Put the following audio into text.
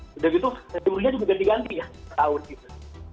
nah udah gitu jurunya juga diganti ganti ya setahun gitu